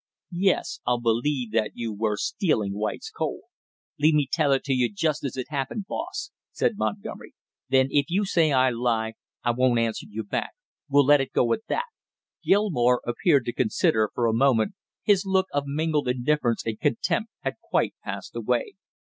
"Yes, I'll believe that you were stealing White's coal." "Leave me tell it to you just as it happened, boss," said Montgomery. "Then if you say I lie, I won't answer you back; we'll let it go at that." Gilmore appeared to consider for a moment, his look of mingled indifference and contempt had quite passed away.